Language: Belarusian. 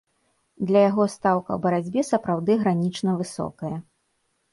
Для яго стаўка ў барацьбе сапраўды гранічна высокая.